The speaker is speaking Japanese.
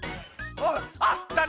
あっだね！